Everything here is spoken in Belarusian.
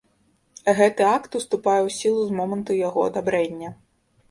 Гэты акт уступае ў сілу з моманту яго адабрэння.